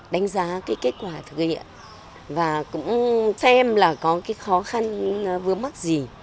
đánh giá cái kết quả thực hiện và cũng xem là có cái khó khăn vướng mắc gì